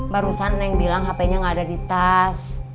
barusan neng bilang hpnya gak ada di tas